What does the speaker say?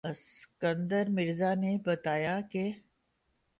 اسکندر مرزا نے بتایا کہ